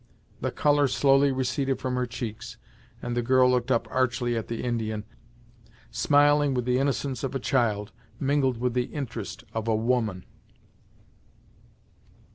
The colour slowly receded from her cheeks, and the girl looked up archly at the Indian, smiling with the innocence of a child, mingled with the interest of a woman.